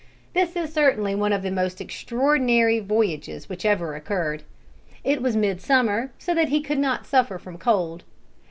This is certainly one of the most extraordinary voyages which ever occurred. It was mid summer, so that he could not suffer from cold.